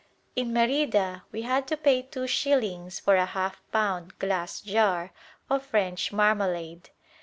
In Merida we had to pay two shillings for a half pound glass jar of French marmalade.